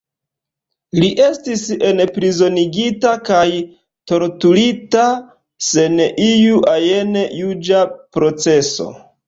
Li estis enprizonigita kaj torturita, sen iu ajn juĝa proceso.